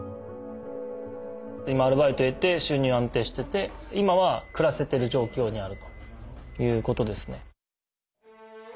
今アルバイト得て収入安定してて今は暮らせてる状況にあるということですね。